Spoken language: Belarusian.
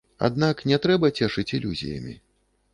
Аднак не трэба цешыць ілюзіямі.